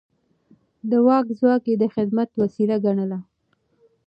د واک ځواک يې د خدمت وسيله ګڼله.